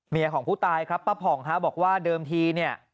เมียของผู้ตายครับป้าผ่องบอกว่าเดิมที